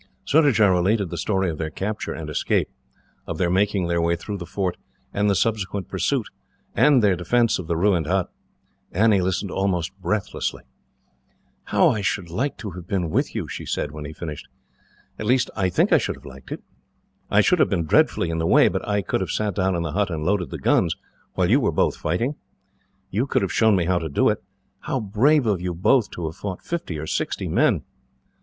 Surajah related the story of their capture and escape, of their making their way through the fort, and the subsequent pursuit, and their defence of the ruined hut. Annie listened almost breathlessly. "How I should like to have been with you," she said, when he finished. "At least, I think I should have liked it. I should have been dreadfully in the way, but I could have sat down in the hut and loaded the guns, while you were both fighting. You could have shown me how to do it. How brave of you both to have fought fifty or sixty men!"